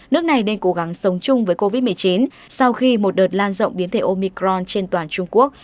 nước này nên cố gắng sống chung với covid một mươi chín sau khi một đợt lan rộng biến thể omicron trên toàn trung quốc